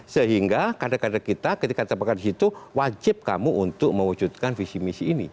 sehingga kader kader kita ketika terpekat di situ wajib kamu untuk mewujudkan visi misi ini